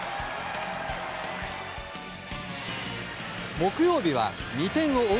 木曜日は２点を追う